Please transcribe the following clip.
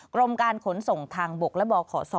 กรมการขนส่งทางบกและบขศ